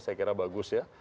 saya kira bagus ya